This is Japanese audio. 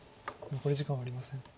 残り時間はありません。